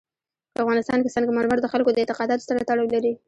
په افغانستان کې سنگ مرمر د خلکو د اعتقاداتو سره تړاو لري.